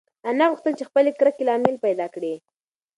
انا غوښتل چې د خپلې کرکې لامل پیدا کړي.